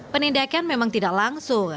penindakan memang tidak langsung